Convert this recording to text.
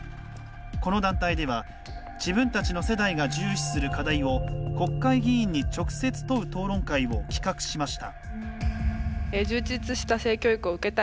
この団体では自分たちの世代が重視する課題を国会議員に直接問う討論会を企画しました。